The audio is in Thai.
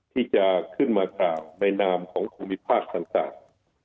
ที่จะขึ้นมากล่าวในนามของภูมิภาคต่าง